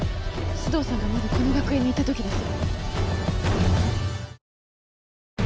須藤さんがまだこの学園にいた時です。